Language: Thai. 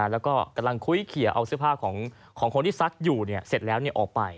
แล้วก็กำลังคุยเขียเอาเสื้อผ้าของคนที่ซักอยู่เสร็จแล้วออกไป